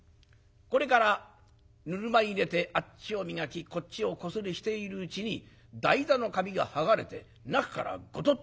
これからぬるま湯入れてあっちを磨きこっちをこすりしているうちに台座の紙が剥がれて中からゴトッ。